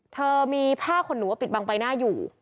เธอมีผ้าขนหนูปิดบังใบหน้าอยู่